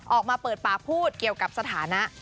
ออกมาเปิดปากพูดเกี่ยวกับสถานะ